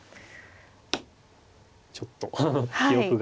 ちょっと記憶が。